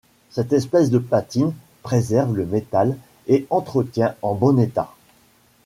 Cette espèce de patine préserve le métal et l'entretient en bon état.